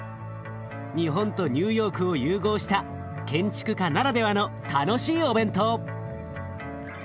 日本とニューヨークを融合した建築家ならではの楽しいお弁当！